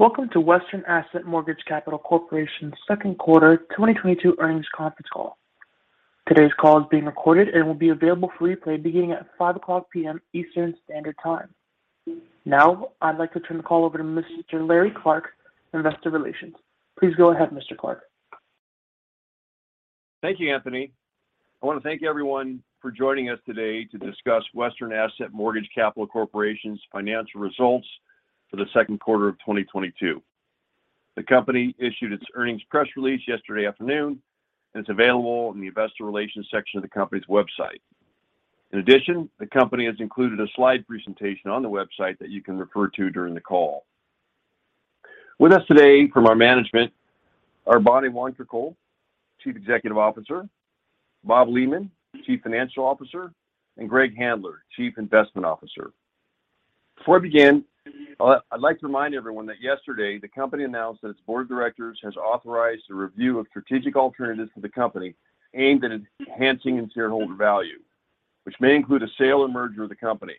Welcome to Western Asset Mortgage Capital Corporation's Second Quarter 2022 Earnings Conference Call. Today's call is being recorded and will be available for replay beginning at 5:00P.M. Eastern Standard Time. Now I'd like to turn the call over to Mr. Larry Clark, Investor Relations. Please go ahead, Mr. Clark. Thank you, Anthony. I want to thank everyone for joining us today to discuss Western Asset Mortgage Capital Corporation's financial results for the second quarter of 2022. The company issued its earnings press release yesterday afternoon, and it's available in the Investor Relations section of the company's website. In addition, the company has included a slide presentation on the website that you can refer to during the call. With us today from our management are Bonnie Wongtrakool, Chief Executive Officer, Bob Lehman, Chief Financial Officer, and Greg Handler, Chief Investment Officer. Before I begin, I'd like to remind everyone that yesterday the company announced that its Board of Directors has authorized a review of strategic alternatives for the company aimed at enhancing shareholder value, which may include a sale or merger of the company.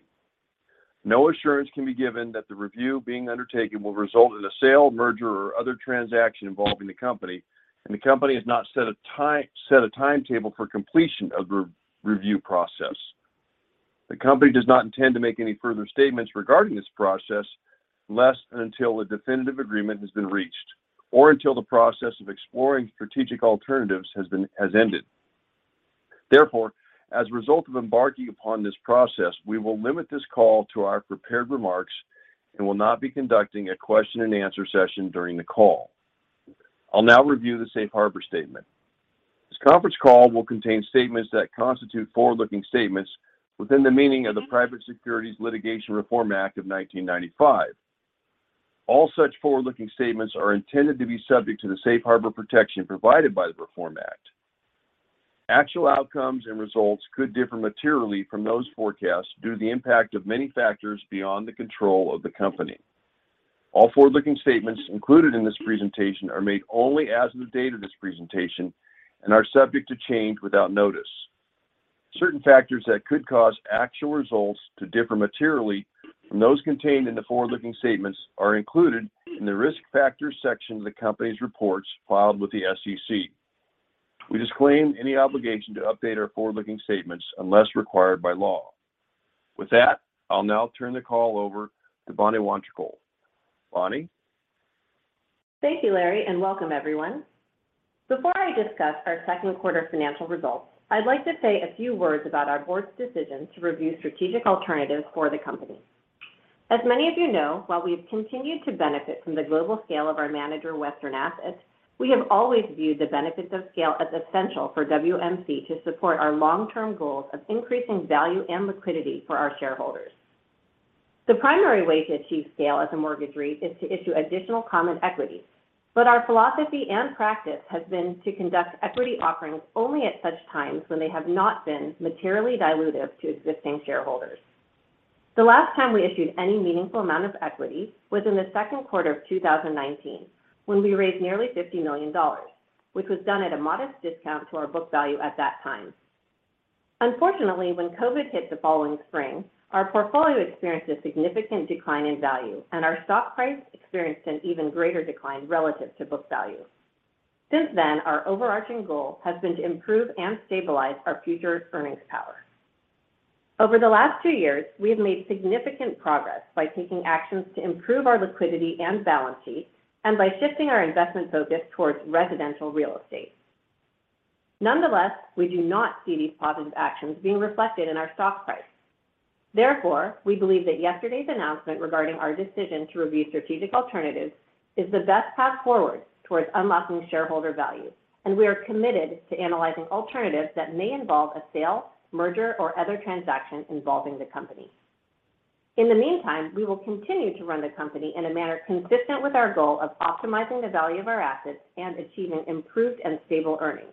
No assurance can be given that the review being undertaken will result in a sale, merger or other transaction involving the company, and the company has not set a timetable for completion of the review process. The company does not intend to make any further statements regarding this process unless until a definitive agreement has been reached, or until the process of exploring strategic alternatives has ended. Therefore, as a result of embarking upon this process, we will limit this call to our prepared remarks and will not be conducting a question and answer session during the call. I'll now review the Safe Harbor Statement. This conference call will contain statements that constitute forward-looking statements within the meaning of the Private Securities Litigation Reform Act of 1995. All such forward-looking statements are intended to be subject to the safe harbor protection provided by the Reform Act. Actual outcomes and results could differ materially from those forecasts due to the impact of many factors beyond the control of the company. All forward-looking statements included in this presentation are made only as of the date of this presentation and are subject to change without notice. Certain factors that could cause actual results to differ materially from those contained in the forward-looking statements are included in the Risk Factors section of the company’s reports filed with the SEC. We disclaim any obligation to update our forward-looking statements unless required by law. With that, I'll now turn the call over to Bonnie Wongtrakool. Bonnie? Thank you, Larry, and welcome everyone. Before I discuss our second quarter financial results, I'd like to say a few words about our board's decision to review strategic alternatives for the company. As many of you know, while we've continued to benefit from the global scale of our manager, Western Asset, we have always viewed the benefits of scale as essential for WMC to support our long-term goals of increasing value and liquidity for our shareholders. The primary way to achieve scale as a mortgage REIT is to issue additional common equity. Our philosophy and practice has been to conduct equity offerings only at such times when they have not been materially dilutive to existing shareholders. The last time we issued any meaningful amount of equity was in the second quarter of 2019, when we raised nearly $50 million, which was done at a modest discount to our book value at that time. Unfortunately, when COVID hit the following spring, our portfolio experienced a significant decline in value, and our stock price experienced an even greater decline relative to book value. Since then, our overarching goal has been to improve and stabilize our future earnings power. Over the last two years, we have made significant progress by taking actions to improve our liquidity and balance sheet and by shifting our investment focus towards residential real estate. Nonetheless, we do not see these positive actions being reflected in our stock price. Therefore, we believe that yesterday's announcement regarding our decision to review strategic alternatives is the best path forward towards unlocking shareholder value, and we are committed to analyzing alternatives that may involve a sale, merger, or other transaction involving the company. In the meantime, we will continue to run the company in a manner consistent with our goal of optimizing the value of our assets and achieving improved and stable earnings,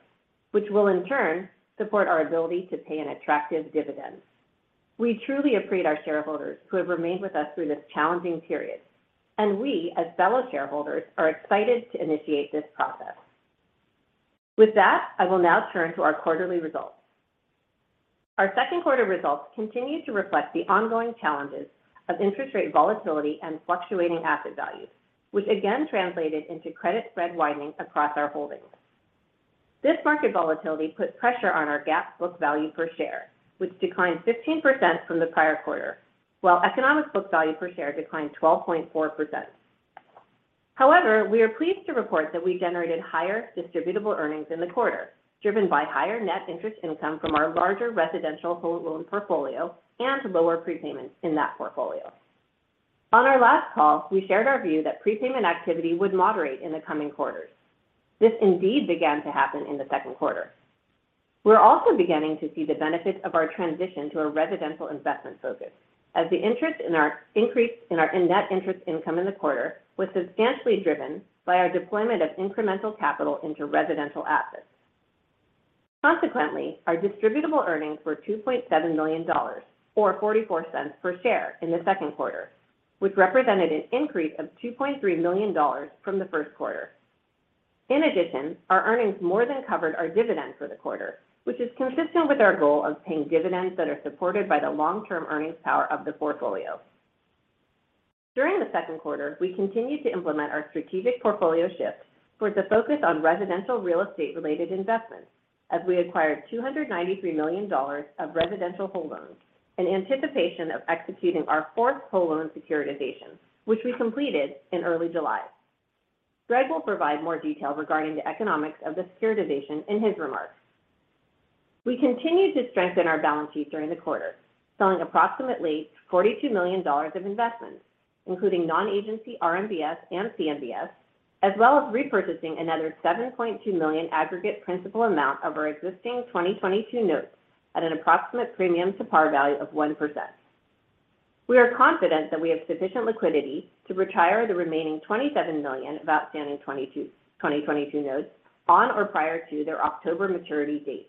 which will in turn support our ability to pay an attractive dividend. We truly appreciate our shareholders who have remained with us through this challenging period, and we as fellow shareholders are excited to initiate this process. With that, I will now turn to our quarterly results. Our second quarter results continue to reflect the ongoing challenges of interest rate volatility and fluctuating asset values, which again translated into credit spread widening across our holdings. This market volatility put pressure on our GAAP book value per share, which declined 15% from the prior quarter, while economic book value per share declined 12.4%. However, we are pleased to report that we generated higher distributable earnings in the quarter, driven by higher net interest income from our larger residential whole loan portfolio and lower prepayments in that portfolio. On our last call, we shared our view that prepayment activity would moderate in the coming quarters. This indeed began to happen in the second quarter. We're also beginning to see the benefits of our transition to a residential investment focus as the interest in our—increase in our net interest income in the quarter was substantially driven by our deployment of incremental capital into residential assets. Consequently, our distributable earnings were $2.7 million or $0.44 per share in the second quarter, which represented an increase of $2.3 million from the first quarter. In addition, our earnings more than covered our dividend for the quarter, which is consistent with our goal of paying dividends that are supported by the long-term earnings power of the portfolio. During the second quarter, we continued to implement our strategic portfolio shift towards a focus on residential real estate-related investments as we acquired $293 million of residential whole loans in anticipation of executing our fourth whole loan securitization, which we completed in early July. Greg will provide more detail regarding the economics of the securitization in his remarks. We continued to strengthen our balance sheet during the quarter, selling approximately $42 million of investments, including non-agency RMBS and CMBS, as well as repurchasing another $7.2 million aggregate principal amount of our existing 2022 notes at an approximate premium to par value of 1%. We are confident that we have sufficient liquidity to retire the remaining $27 million of outstanding 2022 notes on or prior to their October maturity dates.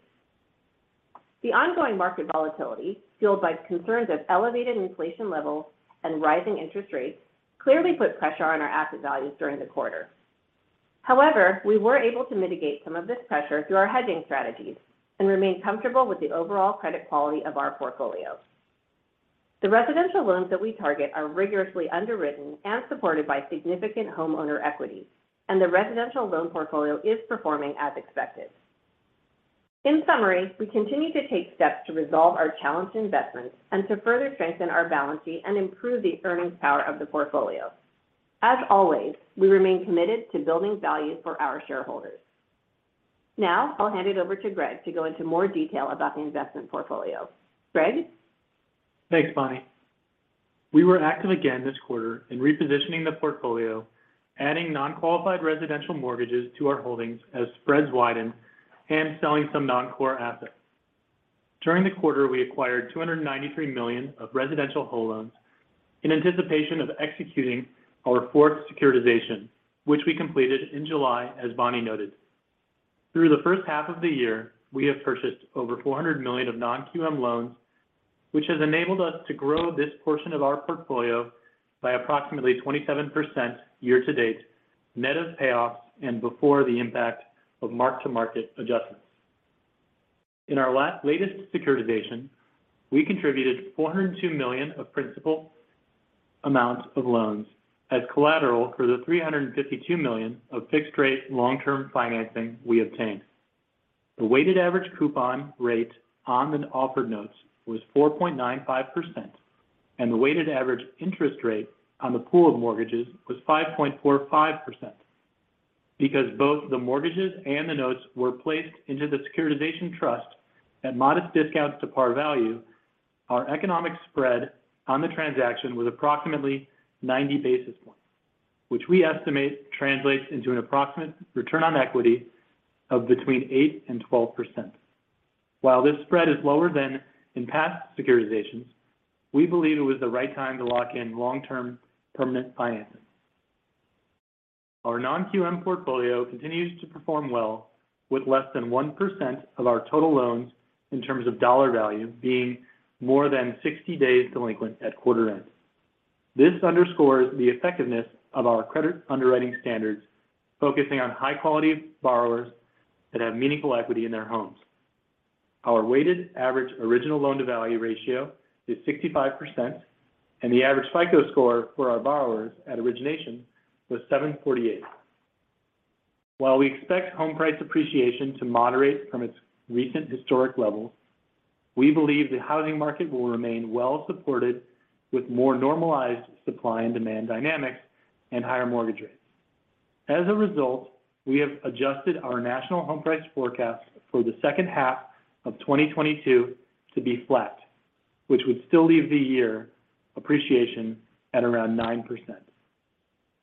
The ongoing market volatility, fueled by concerns of elevated inflation levels and rising interest rates, clearly put pressure on our asset values during the quarter. However, we were able to mitigate some of this pressure through our hedging strategies and remain comfortable with the overall credit quality of our portfolio. The residential loans that we target are rigorously underwritten and supported by significant homeowner equity, and the residential loan portfolio is performing as expected. In summary, we continue to take steps to resolve our challenged investments and to further strengthen our balance sheet and improve the earnings power of the portfolio. As always, we remain committed to building value for our shareholders. Now, I'll hand it over to Greg to go into more detail about the investment portfolio. Greg? Thanks, Bonnie. We were active again this quarter in repositioning the portfolio, adding non-qualified residential mortgages to our holdings as spreads widened and selling some non-core assets. During the quarter, we acquired $293 million of residential whole loans in anticipation of executing our fourth securitization, which we completed in July, as Bonnie noted. Through the first half of the year, we have purchased over $400 million of non-QM loans, which has enabled us to grow this portion of our portfolio by approximately 27% year-to-date net of payoffs and before the impact of mark-to-market adjustments. In our latest securitization, we contributed $402 million of principal amounts of loans as collateral for the $352 million of fixed-rate long-term financing we obtained. The weighted average coupon rate on the offered notes was 4.95%, and the weighted average interest rate on the pool of mortgages was 5.45%. Because both the mortgages and the notes were placed into the securitization trust at modest discounts to par value, our economic spread on the transaction was approximately 90 basis points, which we estimate translates into an approximate return on equity of between 8% and 12%. While this spread is lower than in past securitizations, we believe it was the right time to lock in long-term permanent financing. Our non-QM portfolio continues to perform well with less than 1% of our total loans in terms of dollar value being more than 60 days delinquent at quarter end. This underscores the effectiveness of our credit underwriting standards, focusing on high quality borrowers that have meaningful equity in their homes. Our weighted average original loan-to-value ratio is 65%, and the average FICO score for our borrowers at origination was 748. While we expect home price appreciation to moderate from its recent historic levels, we believe the housing market will remain well supported with more normalized supply and demand dynamics, and higher mortgage rates. As a result, we have adjusted our national home price forecast for the second half of 2022 to be flat, which would still leave the year appreciation at around 9%.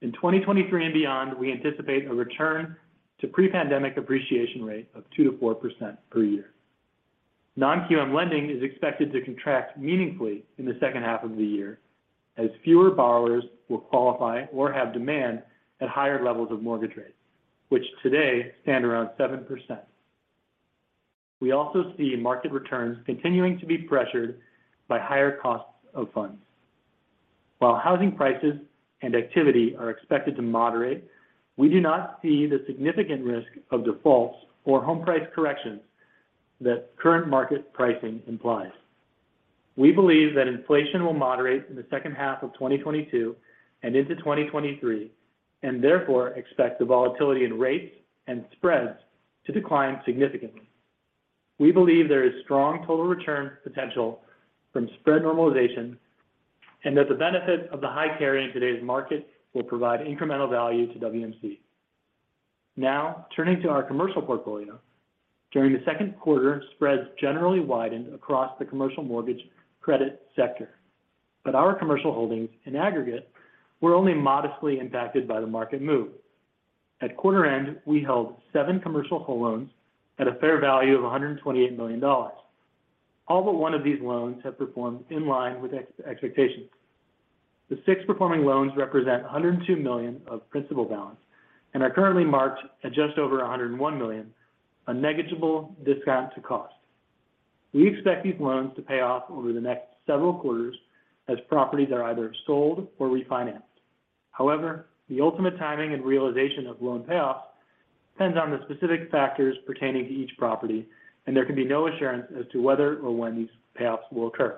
In 2023 and beyond, we anticipate a return to pre-pandemic appreciation rate of 2%-4% per year. Non-QM lending is expected to contract meaningfully in the second half of the year as fewer borrowers will qualify or have demand at higher levels of mortgage rates, which today stand around 7%. We also see market returns continuing to be pressured by higher costs of funds. While housing prices and activity are expected to moderate, we do not see the significant risk of defaults or home price corrections that current market pricing implies. We believe that inflation will moderate in the second half of 2022 and into 2023, and therefore, expect the volatility in rates and spreads to decline significantly. We believe there is strong total return potential from spread normalization and that the benefit of the high carry in today's market will provide incremental value to WMC. Now turning to our commercial portfolio. During the second quarter, spreads generally widened across the commercial mortgage credit sector, but our commercial holdings in aggregate were only modestly impacted by the market move. At quarter end, we held seven commercial whole loans at a fair value of $128 million. All but one of these loans have performed in line with expectations. The six performing loans represent $102 million of principal balance and are currently marked at just over $101 million, a negligible discount to cost. We expect these loans to pay off over the next several quarters as properties are either sold or refinanced. However, the ultimate timing and realization of loan payoffs depends on the specific factors pertaining to each property, and there can be no assurance as to whether or when these payoffs will occur.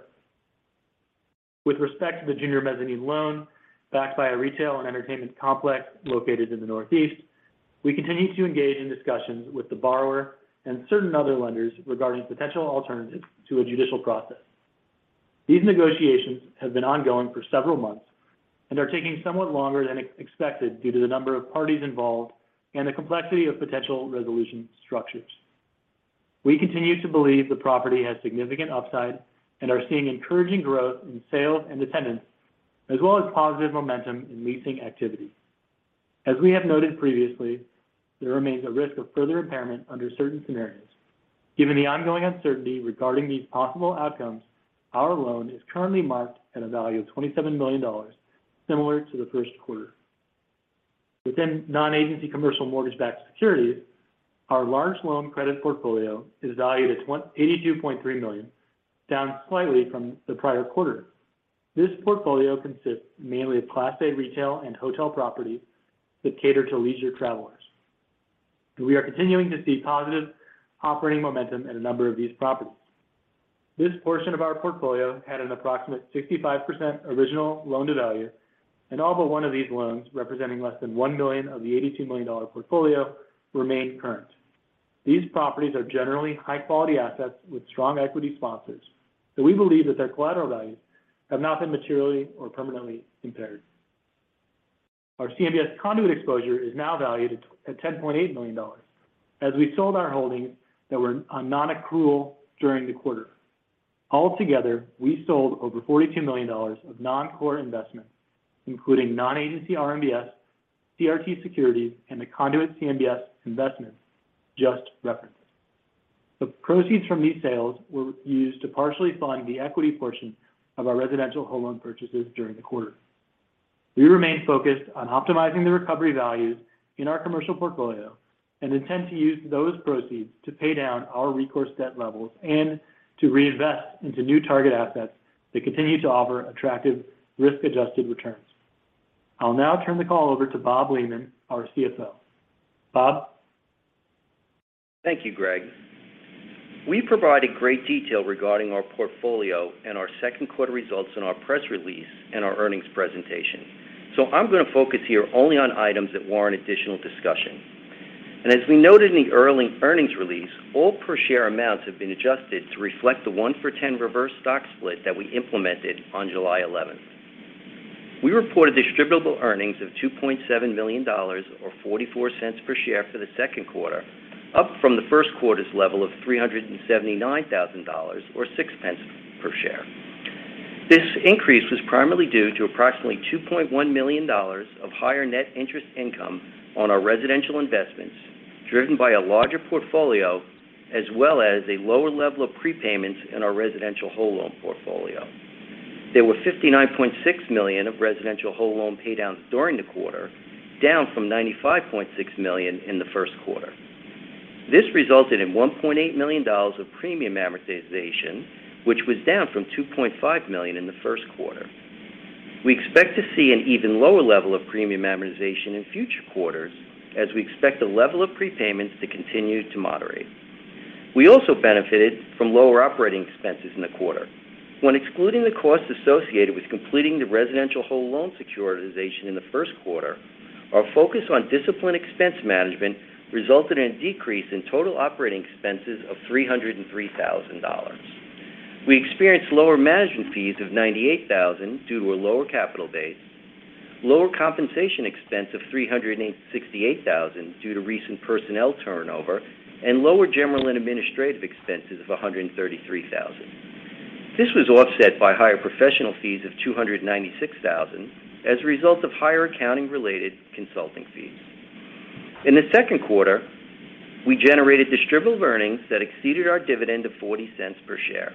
With respect to the junior mezzanine loan backed by a retail and entertainment complex located in the Northeast, we continue to engage in discussions with the borrower and certain other lenders regarding potential alternatives to a judicial process. These negotiations have been ongoing for several months and are taking somewhat longer than expected due to the number of parties involved and the complexity of potential resolution structures. We continue to believe the property has significant upside and are seeing encouraging growth in sales and attendance, as well as positive momentum in leasing activity. As we have noted previously, there remains a risk of further impairment under certain scenarios. Given the ongoing uncertainty regarding these possible outcomes, our loan is currently marked at a value of $27 million, similar to the first quarter. Within non-agency commercial mortgage-backed securities, our large loan credit portfolio is valued at $82.3 million, down slightly from the prior quarter. This portfolio consists mainly of Class A retail and hotel properties that cater to leisure travelers. We are continuing to see positive operating momentum in a number of these properties. This portion of our portfolio had an approximate 65% original loan-to-value, and all but one of these loans, representing less than $1 million of the $82 million portfolio, remain current. These properties are generally high-quality assets with strong equity sponsors, so we believe that their collateral values have not been materially or permanently impaired. Our CMBS conduit exposure is now valued at $10.8 million as we sold our holdings that were on non-accrual during the quarter. Altogether, we sold over $42 million of non-core investments, including non-agency RMBS, CRT securities, and the conduit CMBS investments just referenced. The proceeds from these sales were used to partially fund the equity portion of our residential whole loan purchases during the quarter. We remain focused on optimizing the recovery values in our commercial portfolio and intend to use those proceeds to pay down our recourse debt levels and to reinvest into new target assets that continue to offer attractive risk-adjusted returns. I'll now turn the call over to Bob Lehman, our CFO. Bob? Thank you, Greg. We provided great detail regarding our portfolio and our second quarter results in our press release and our earnings presentation. I'm gonna focus here only on items that warrant additional discussion. As we noted in the earnings release, all per share amounts have been adjusted to reflect the one-for-10 reverse stock split that we implemented on July 11th. We reported distributable earnings of $2.7 million or $0.44 per share for the second quarter, up from the first quarter's level of $379,000 or $0.06 per share. This increase was primarily due to approximately $2.1 million of higher net interest income on our residential investments, driven by a larger portfolio as well as a lower level of prepayments in our residential whole loan portfolio. There were 59.6 million of residential whole loan pay downs during the quarter, down from 95.6 million in the first quarter. This resulted in $1.8 million of premium amortization, which was down from $2.5 million in the first quarter. We expect to see an even lower level of premium amortization in future quarters as we expect the level of prepayments to continue to moderate. We also benefited from lower operating expenses in the quarter. When excluding the cost associated with completing the residential whole loan securitization in the first quarter, our focus on disciplined expense management resulted in a decrease in total operating expenses of $303,000. We experienced lower management fees of $98,000 due to a lower capital base, lower compensation expense of $368,000 due to recent personnel turnover, and lower general and administrative expenses of $133,000. This was offset by higher professional fees of $296,000 as a result of higher accounting-related consulting fees. In the second quarter, we generated distributable earnings that exceeded our dividend of $0.40 per share.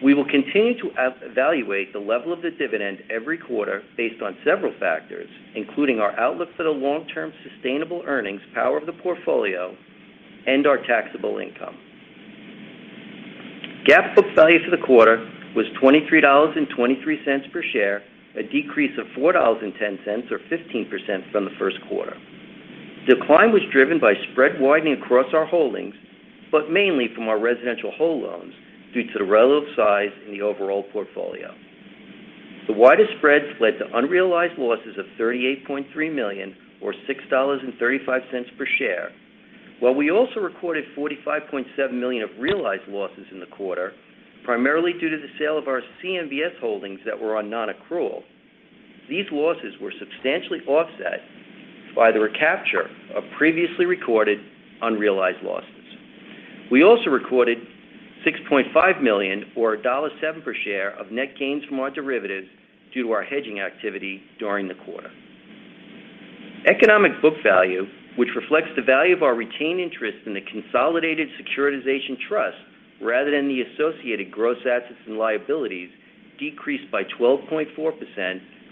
We will continue to evaluate the level of the dividend every quarter based on several factors, including our outlook for the long-term sustainable earnings power of the portfolio and our taxable income. GAAP book value for the quarter was $23.23 per share, a decrease of $4.10 or 15% from the first quarter. Decline was driven by spread widening across our holdings, but mainly from our residential whole loans due to the relative size in the overall portfolio. The wider spreads led to unrealized losses of $38.3 million or $6.35 per share. While we also recorded $45.7 million of realized losses in the quarter, primarily due to the sale of our CMBS holdings that were on non-accrual, these losses were substantially offset by the recapture of previously recorded unrealized losses. We also recorded $6.5 million or $1.07 per share of net gains from our derivatives due to our hedging activity during the quarter. Economic book value, which reflects the value of our retained interest in the consolidated securitization trust rather than the associated gross assets and liabilities, decreased by 12.4%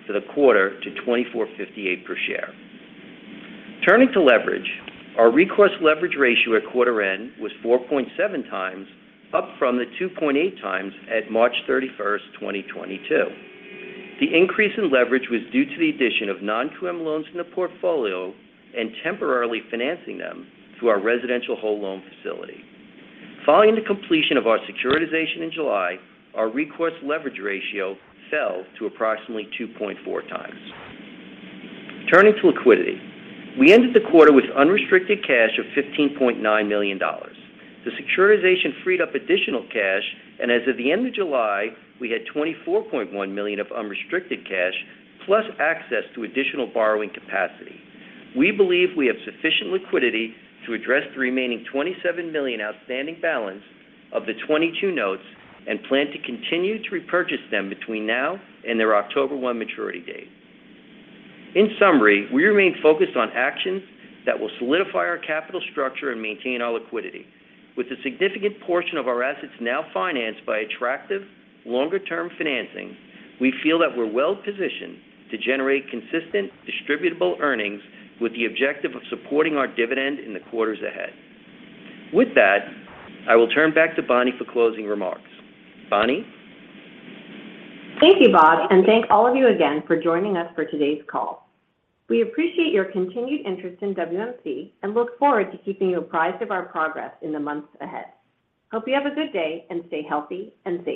for the quarter to $24.58 per share. Turning to leverage, our recourse leverage ratio at quarter end was 4.7x up from the 2.8x at March 31st, 2022. The increase in leverage was due to the addition of non-QM loans in the portfolio and temporarily financing them through our residential whole loan facility. Following the completion of our securitization in July, our recourse leverage ratio fell to approximately 2.4x. Turning to liquidity, we ended the quarter with unrestricted cash of $15.9 million. The securitization freed up additional cash, and as of the end of July, we had $24.1 million of unrestricted cash plus access to additional borrowing capacity. We believe we have sufficient liquidity to address the remaining $27 million outstanding balance of the 2022 notes and plan to continue to repurchase them between now and their October 1 maturity date.In summary, we remain focused on actions that will solidify our capital structure and maintain our liquidity. With a significant portion of our assets now financed by attractive longer-term financing, we feel that we're well-positioned to generate consistent distributable earnings with the objective of supporting our dividend in the quarters ahead. With that, I will turn back to Bonnie for closing remarks. Bonnie? Thank you, Bob, and thank all of you again for joining us for today's call. We appreciate your continued interest in WMC and look forward to keeping you apprised of our progress in the months ahead. Hope you have a good day, and stay healthy and safe.